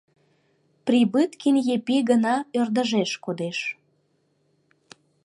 Прибыткин Епи гына ӧрдыжеш кодеш.